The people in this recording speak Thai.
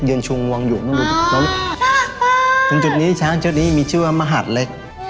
ยืนชูงวงอยู่จุดนี้ช้างเชื้อเล็กมีชื่อว่ามหัศเล็ก